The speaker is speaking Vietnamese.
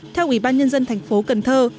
theo ủy ban nhân dân thành phố cần thơ